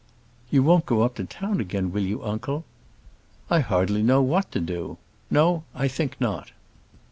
"You won't go up to town again; will you, uncle?" "I hardly know what to do. No, I think not.